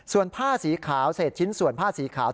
ส่วนผ้าสีขาวเศษชิ้นส่วนผ้าสีขาว